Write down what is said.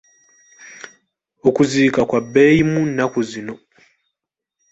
Okuziika kwa bbeeyimu nnaku zino.